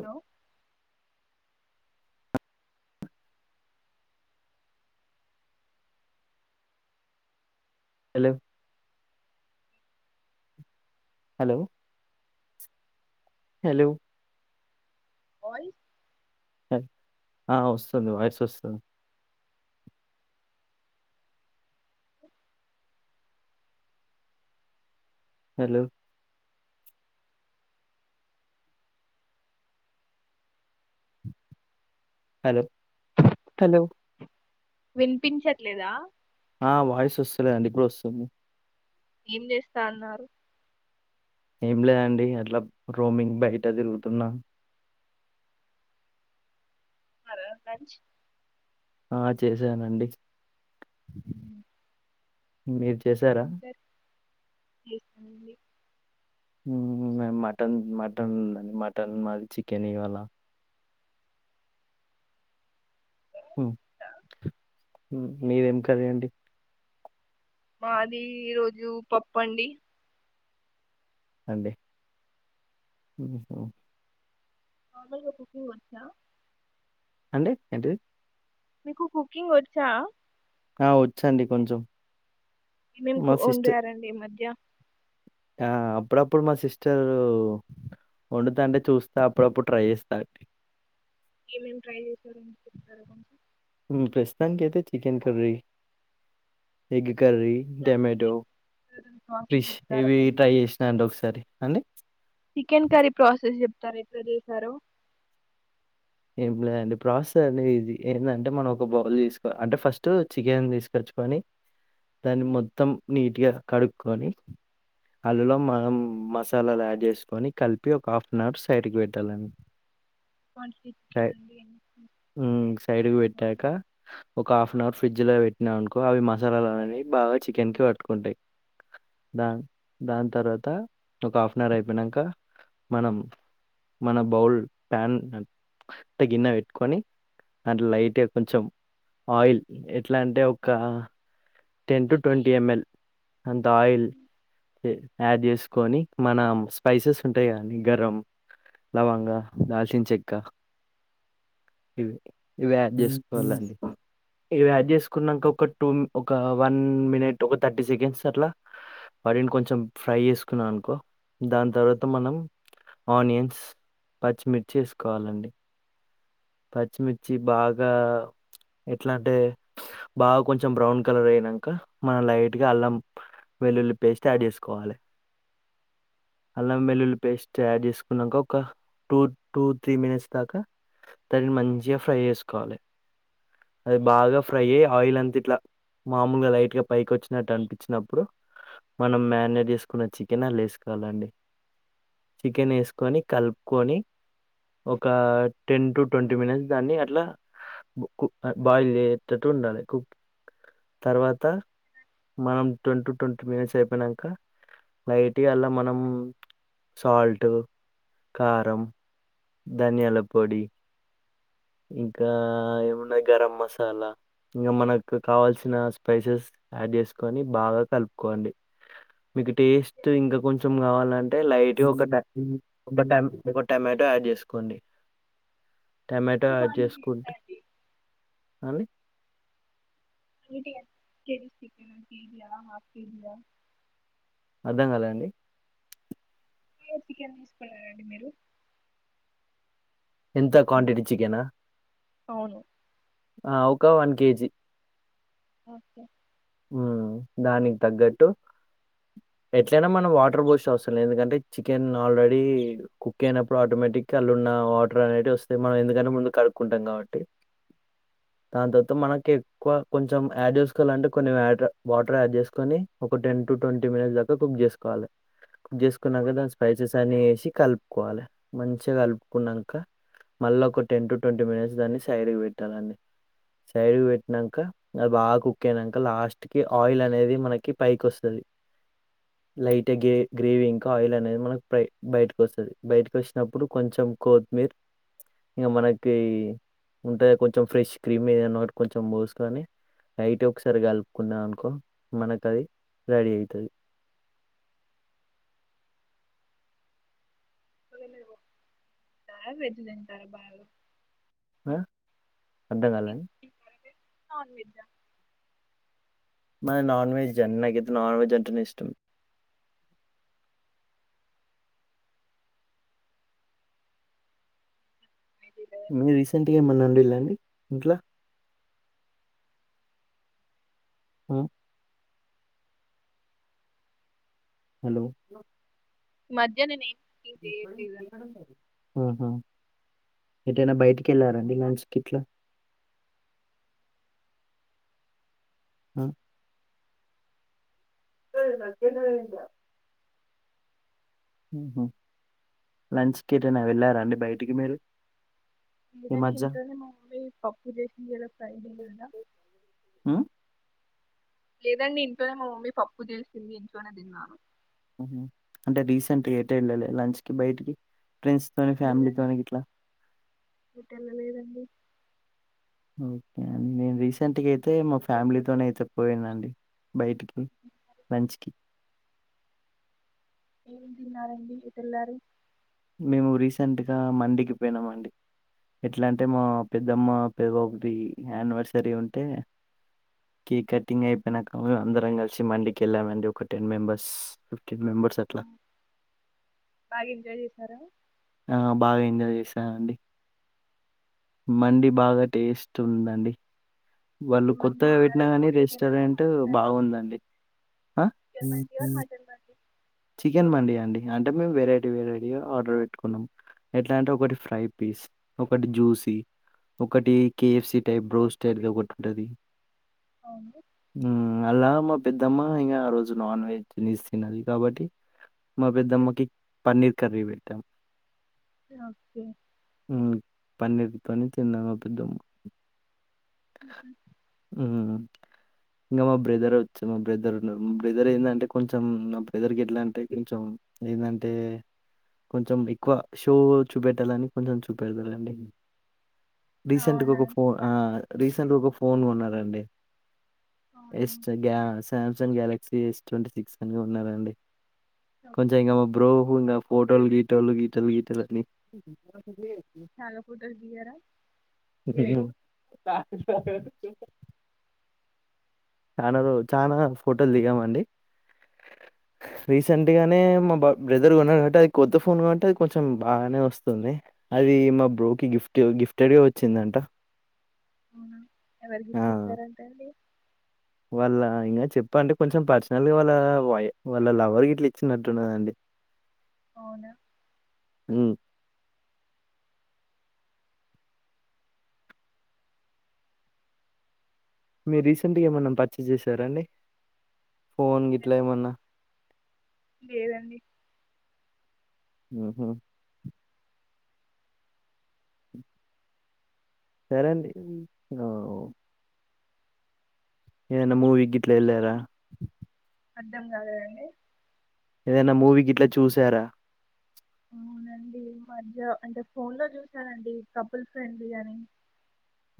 Hello hello hello hello voice ఆ వస్తది voice వస్తది అ హలో హలో హలో వినిపించట్లేదా ఆ వాయిస్ వస్తలేదండి, ఇప్పుడు వస్తుంది ఎం జేస్తా అన్నారు ఏం లేండి అట్లా రోమింగ్ బయట తిరుగుతున్నా అరయ పంచ్ ఆ చేశానండి హూ మీరు చేసారా లేదండి మే మటన్, మటన్, మటన్ మాది చికెన్ ఇవాళ మీదేం కర్రి అండి మాది ఈ రోజు పప్పండి అండే మీకు మమ్ముల కుకింగ్ వచ్చా అంటే ఎంటి మీకు కుకింగ్ ఒచ్చా ఆ వచ్చండి కొంచం ఏమెమ్ కు ఉండారండి ఈ మధ్య ఆ అప్పుడప్పుడు మా సిస్టర్ ఉండుతాంటే చూస్త అప్పుడప్పుడు ట్రై చేస్తా ఏమేమ్ ట్రై చేశార అని చెప్తార కొంచెం ప్రస్తుతనికి అయితే చికెన్ కర్రీ ఎ కర్రీ దానికి డొమాటో ప్రాసెస్ ఫిష్ చెప్తారా ఇవి కొంచెం ట్రై చేసినా అండి ఒకసారి అంతే చికెన్ కర్రీ ప్రాసెస్ చెప్తారా ఎట్ల చేసారో ఏం లేండి ప్రాసెస్ అ ఈజీ ఎవన్నాంటే మనం ఒక బౌల్ తీసుకోలి అంటే ఫస్ట్ చికెన్ తీసుకొచ్చ కుని దాన్ని మొత్తం నీట్గా కడుక్కొని అందులో మనం మసాలాలు యాడ్ చేసుకొని కలిపి ఒక హాఫ్ అన్ అవర్ సైడ్కి పెట్టాలని క్వాంటిటీ చికెన్ కాద్ అండి ఎన్ని సైడ్ తీసుకోవాలి పెట్టాక ఒక హఫ్ వన్ అవర్ ఫ్రిడ్జ్లో పెట్టినా అనుకో అవి మసాల అనేవి బాగా చికెన్ కి పట్టుకుంటాయి దాన్ దాని తర్వాత ఒక హాఫ్ అన్ అవర్ అయిపోయినంక మనం మన బౌల్ ప్యాన్ంత గిన్న పెట్టుకొని దాంట్ల లైట్గా కొంచెం ఆయిల్ ఎట్లా అంటే ఒక టెన్ టు ట్వంటీ ఎంఎల్ అంత ఆయిల్ యాడ్ చేసుకొని మన స్పైసెస్ ఉంటా గా గరం లవంగా, దాల్చిన్ చెక్క ఇవి ఇవి యాడ్ చేసుకోవాలండి ఇవి యాడ్ చేసుకున్నాంక ఒక టూ ఒక వన్ మినిట్ ఒక థర్టీ సెకండ్స్ అట్లా వాటిని కొంచెం ఫ్రై జేసుకున్నావ్ అనుకో దాన్ తర్వాత మనం ఆనియన్స్ పచ్చిమిర్చి ఏస్కోవాలండి పచ్చిమిర్చి బాగా ఎట్లంటే బావ్ కొంచెం బ్రౌన్ కలర్ అయినంక మన లైట్ గా అల్లం వెల్లుల్లి పేస్ట్ ఆడ్ చేసుకోవాలి అల్లం వెల్లుల్లి పేస్ట్ యాడ్ చేసుకున్నాక ఒక టూ టూ త్రీ మినిట్స్ దాకా దానిని మంచిగా ఫ్రై చేసుకోవాలి అది బాగా ఫ్రై అయ్యి ఆయిల్ అంత ఇట్లా మామూలుగా లైట్ గా పైకి వచ్చినట్టు అనిపిచ్చినప్పుడు మనం మ్యారినేట్ చేసుకున్న చికెన్ లేసుకోవాలండి చికెన్ ఏస్కొని కలుపుకొని ఒక టెన్ టు ట్వంటీ మినిట్స్ దాన్ని అట్లా కు బాయిల్ జేతట్టు ఉండాలి కుక్ తర్వాత మనం టొంటూ ట్వంటీ మినిట్స్ అయిపోయినంక లైట్గా అలా మనం సాల్టు కారం ధనియాల పొడి ఇంకా ఏమున్నాయి గరం మసాలా ఇంకా మనకు కావాల్సిన స్పైసెస్ యాడ్ జేస్కొని బాగా కలుపుకోండి. మీకు టేస్ట్ ఇంకా కొంచం గావాలంటే లైట్గా ఒక ట ఒక టమా టొ యాడ్ జేస్కోండి టో యాడ్ క్వాంటిటీ ఎంత జేస్కుంటే అండి అండి [unintelligible] కేజీయా ఆఫ్ కేజీయా అర్థం గాలే అండి [unintelligible] చికెన్ తీసుకున్నారండి మీరు ఎంత క్వాంటిటీ చికెనా ఔను ఆ ఒకా వన్ కేజీ ఓకే హ్మ్ దానికి తగ్గట్టు ఎట్లయినా మనం వాటర్ బోసే అవస్ లేదు ఎందుకంటే చికెన్ ఆల్రెడీ కుక్ అయినప్పుడు ఆటోమేటి కళ్ళున్న వాటర్ అనేటివి వస్తాయ్ మనం ఎందుకంటే మనం ముందు కడుక్కుంటాం గాబట్టి తాన్ తొత్తు మనకి ఎక్కువ కొంచెం యాడ్ జేస్కోలంటే కొన్ని వ్యట్రా వాటర్ యాడ్ చేసుకొని ఒక టెన్ టు ట్వంటీ మినిట్స్ దాకా కుక్ జేసుకోవాలే కుక్ జేసుకున్నాక దాని స్పైసెస్ అన్నీ ఏసి కలుపుకోవాలే మంచిగా కలుపుకున్నంక మళ్ళా ఒక టెన్ టు ట్వంటీ మినిట్స్ దాన్ని సైడ్కి పెట్టాలండి సైడ్గి పెట్నంకా అది బాగా కుక్కైన కా లాస్ట్ కి ఆయిల్ అనేది మనకి పైకి వొస్తది లైట్ గే గ్రేవి ఇంకా ఆయిల్ అనేది మనకి ప్రై బయటకు ఒస్తది బయటకు వచ్చినప్పుడు కొంచెం కోత్మీర్ ఇంగ మనకి ఉంటది కొంచెం ఫ్రెష్ క్రీమ్ ఏదన్న ఒకటి కొంచెం పోస్కొని లైట్గా ఒకసారి కలుపుకున్నా అనుకో మనకు అది రెడీ అయితది [unintelligible] వెజ్ తింటారా బాగా ఆ వెజ్ అర్థగాలని తింటారా మీరు? నాన్ వెజ్జా మన నాన్ వెజ్ అన్ నాకైతే నాన్ వెజ్ అంటేనే ఇష్టం అనేది లేదా? మీ రీసెంట్గా ఏమన్నా వొండిళ్ళండి ఇంట్లా హ్మ్ హలో మధ్యన నేం ఓ హ్మ్ ఎటైనా బయటికి వెళ్ళారాండి లంచ్ కిట్లా అ [unintelligible] తింటా హ్మ్ హు లంచ్ కి ఎటైనా వెళ్ళారా అండి బయటికి మీరు ఈ లేదండి మధ్య ఇంట్లోనే మా మమ్మీ పప్పు చేసింది ఇయాల ఫ్రైడే గదా హ్మ్ లేదండి ఇంట్లోనే మా మమ్మీ పప్పు జేసింది ఇంట్లోనే తిన్నాను అంటె రీసెంట్ గా ఎటెళ్ళలె లంచ్ కి బయటికి ఫ్రెండ్స్ తోని లేదండి ఫ్యామిలీతోని గిట్లా ఎటు వెళ్ళలేదండి ఓకే అండి నేను రీసెంట్ గ అయితే మా ఫ్యామిలీతోనే అయితే పోయినండి బయటికి లంచ్ కి ఏం తిన్నారండి ఎట్లేలారు మేము రీసెంట్ గా మందికి పోయినం అండి ఎట్ల అంటే మా పెద్దమ్మ పెదబాపుది యానివర్సరీ ఉంటే కేక్ కటింగ్ అయిపోయినాక అందరం కలిసి మండికి వెళ్ళామండి ఒక టెన్ మెంబర్స్ టెన్ మెంబర్స్ అట్ల ఉమ్, కదా ఆ బాగ ఎంజాయ్ చేసానండి మండీ బాగా టేస్ట్ ఉందండి వాళ్ళు ఏం కొత్తగ ఎంజాయ్ పెట్టినా చేశారండి కానీ చికెనా రెస్టారెంట్ మటనా బాగుందండి ఆ! చికెన్ మండీ అహ్ మటన్ మండీ చికెన్ మండి అండి అంటే మేము వెరైటీ వెరైటీగా ఆర్డర్ పెట్టుకున్నం ఎట్లా అంటే ఒకటి ఫ్రై పీస్ ఒకటి జ్యూసీ ఒకటి కేఎఫ్సి టైప్ బ్రో స్టైప్ గా ఒకటుంటది అవును ఉమ్ అలా మా పెద్దమ్మ ఇంగా ఆ రోజు నాన్ వెజ్ నీస్ తినాది కాబట్టి మా పెద్దమ్మకి పన్నీర్ కర్రీ పెట్టాం ఓకే అ పన్నీర్తోని తిన్నది మా పెద్దమ్ము ఉహు ఉమ్ ఇంగ మా బ్రదర్ వచ్ మా బ్రదర్ ఉన్నారు మా బ్రెదర్ ఏందంటే కొంచెం బ్రదర్ ఎట్ల అంటే కొంచెం ఏందంటే కొంచెం ఎక్కువ షో చూపెట్టాలని కొంచెం చూపెడ్తాడండి రీసెంట్గా అవునా ఒక ఫోన్ ఆహ్ రీసెంట్గా ఒక ఫోన్ కొన్నారండి అవును ఎస్ట్ గ్యా Samsung Galaxy S twenty six అని కొన్నారండి కొంచెం ఓకే ఇంగ మా బ్రో ఇంకా ఫోటోలు గీటొలు గీతలు గీతలని చాలా ఫొటోస్ దిగారా హ్మ్ హ్మ్ హ్మ్ చానా రోజ్ చానా ఫోటోలు దిగామండి రీసెంట్ గానే మ బ బ్రదర్ కొన్నాడు కంటే అది కొత్త ఫోన్ కంటే అది కొంచెం బానే వస్తుంది అది మా బ్రోకి గిఫ్ట్ గిఫ్టెడ్ గా వచ్చిందంట అవునా ఎవరు గిఫ్ట్ ఆ! ఇచ్చారంటా అండి వాళ్ళ ఇంగ చెప్పంటే కొంచెం పర్సనల్గా వాళ్ళ వాయ్ వాళ్ళ లవర్ గిట్ల ఇచ్చినట్టున్నదండి అవునా ఉమ్ మీరు రీసెంట్గా ఏమన్న పర్చేస్ చేసారా అండి ఫోన్ గిట్ల అండి ఏమన్న లేదండి మ్ హు సరే అండి నో ఏదన్న మూవిక్ గిట్ల ఎళ్లరా అర్థం గాలేదండి. ఏదన్న మూవీ గిట్లా చూసారా? అవునండి ఈ మధ్య అంటే ఫోన్లో చూసానండి కపుల్ ఫ్రెండ్లీ అని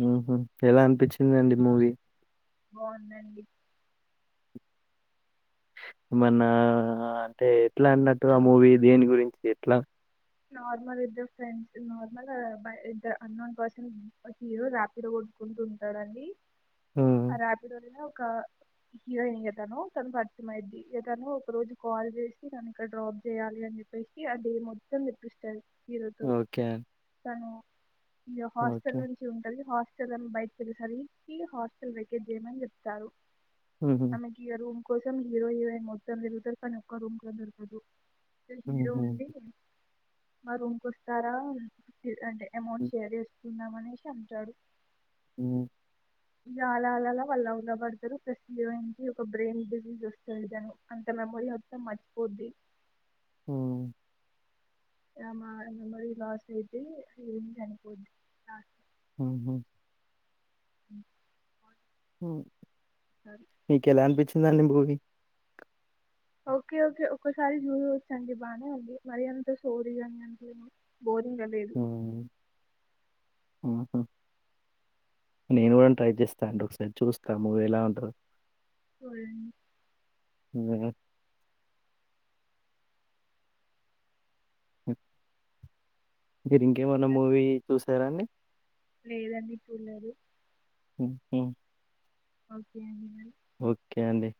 ఉమ్ హ్ ఎలా అనిపించిందండి మూవీ బావుందండి మన్నా అంటే ఎట్లా అన్నట్టుగా మూవీ దేని గురించి ఎట్లా నార్మల్ ఇద్దర్ ఫ్రెండ్స్ నార్మల్ ఆ బ ఇంత అన్నోన్ పర్సన్ హీరో రాపిడో గొడ్త్ అనుకుంటుంటారండి హ్మ్. ఆ రాపిడోలుకి ఒక హీరోయిన్ ఇగ తనూ తను పర్చమైద్ది ఇగ తను ఒక రోజు కాల్ జేసి నన్నిక్కడ డ్రాప్ జేయ్యాలి అని చెప్పేసి ఆ డే మొత్తం తిప్పిస్తది హీరోతో ఓకే. తనూ ఇగ హాస్టల్ ఓకే. నుంచి ఉంటది హా ఇగ తను బైట్కెల్లె సరికీ హాస్టల్ వెకేట్ జెయ్యమన్ జెప్తారు. హుహు. ఆమెకి ఇగ రూమ్ కోసం హీరో, హీరోయిన్ మొత్తం తిరుగుతరు కనీ ఒక్క రూమ్ కుడా దొరకదు. హీరో హుహు. ఉండి మా రూమ్కొస్తారా అంటే ఎమౌంట్ హ్మ్. షేర్ చేస్ కుందాం అనేసి అంటాడు. మ్ ఇగ అలా అలా అలా వాల్ లవ్ల బడ్తరు ప్లస్ హీరోయిన్కి ఒక బ్రెయిన్ డిసీజ్ ఒస్తది దన్ అంత [unintelligible] మర్చిపొద్ది. మ్ ఆమా మెమోరీ లాస్ ఐతే హీరోయిన్ చనిపోద్ది. మ్ హ్ మ్ మీకెలా అన్పించిందండి మూవీ ఓకే ఓకే ఒకసారి జూడోచ్చండి బానే ఉంది మరి అంత సోదిగాని అనిపియ్యలే బోరింగ లేదు. ఆ నేను గుడం ట్రై చేస్తా అండి ఒక్సారి చూస్తా మూవెలా ఉంటదో పోయెమ్ నిజంగా మీరింకేమన్న మూవీ చూసారా అండి. లేదండి చూడ్లేదు. [unintelligible] ఓకే అండి మరి ఓక్కే అండి.